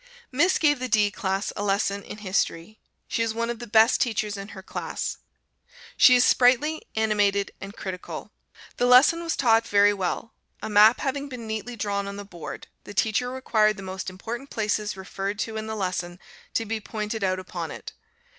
Miss gave the D class a lesson in History. She is one of the best teachers in her class. She is sprightly, animated, and critical. The lesson was well taught; a map having been neatly drawn on the board, the teacher required the most important places referred to in the lesson, to be pointed out upon it.